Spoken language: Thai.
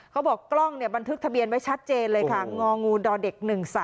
กล้องบันทึกทะเบียนไว้ชัดเจนเลยค่ะงองูดเด็ก๑๓